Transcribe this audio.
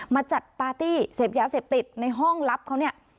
มาจัดปาร์ตี้เสพยาเสพติดในห้องลับเขาเนี่ย